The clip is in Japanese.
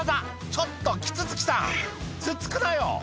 ちょっとキツツキさん突っつくなよ！」